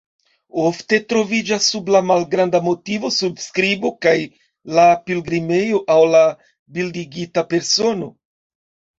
Ofte troviĝas sub la malgranda motivo surskribo pri la pilgrimejo aŭ la bildigita persono.